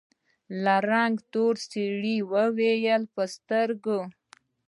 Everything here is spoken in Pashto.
له رنګه تور سړي وويل: په سترګو!